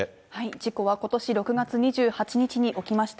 事故はことし６月２８日に起きました。